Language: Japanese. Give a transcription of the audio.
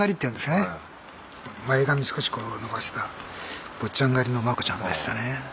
前髪少しこう伸ばした坊ちゃん刈りのマコちゃんでしたね。